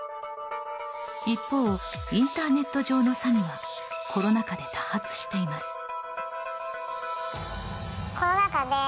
一方、インターネット上の詐欺はコロナ禍で多発しています。